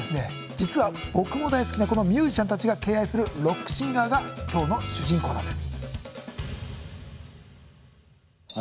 実は僕も大好きなこのミュージシャンたちが敬愛するロックシンガーが今日の主人公なんです。